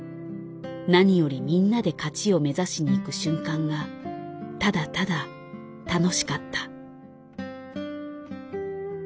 何よりみんなで勝ちを目指しにいく瞬間がただただ楽しかった。